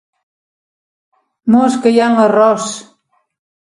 Mosca hi ha en l'arròs!